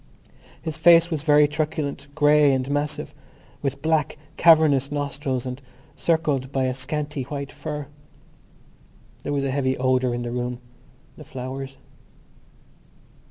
His face was very truculent, grey and massive, with black cavernous nostrils and circled by a scanty white fur. There was a heavy odour in the room—the flowers.